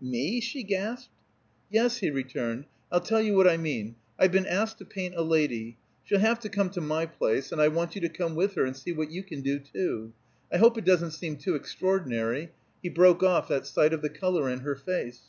Me?" she gasped. "Yes," he returned. "I'll tell you what I mean. I've been asked to paint a lady. She'll have to come to my place, and I want you to come with her, and see what you can do, too. I hope it doesn't seem too extraordinary?" he broke off, at sight of the color in her face.